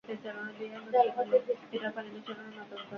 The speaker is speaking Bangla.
ডাল-ভাতের গুষ্টি চুদি!